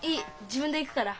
自分で行くから。